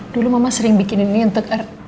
dulu mama sering bikin ini untuk